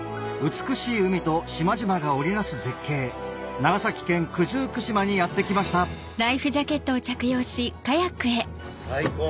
美しい海と島々が織り成す絶景長崎県九十九島にやって来ました最高！